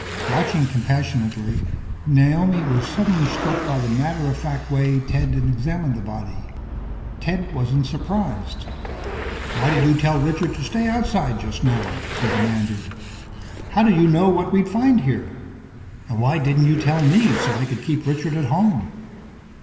Watching compassionately, Naomi was suddenly struck by the matter of fact way Ted examined the body. Ted wasn't surprised. "Why did you tell Richard to stay outside, just now?" she demanded. "How did you know what we'd find here? And why didn't you tell me, so I could keep Richard at home?"